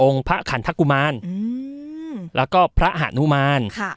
องค์พระขันธักุมารอืมแล้วก็พระหานุมารค่ะ